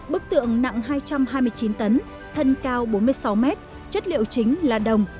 bức tượng nặng hai trăm hai mươi chín tấn thân cao bốn mươi sáu mét chất liệu chính là đồng